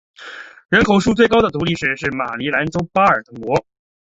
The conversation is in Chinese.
人口数最高的独立市是马里兰州巴尔的摩。